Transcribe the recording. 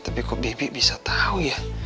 tapi kok bibi bisa tau ya